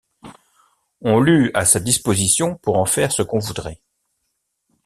On l’eut à sa disposition pour en faire ce qu’on voudrait.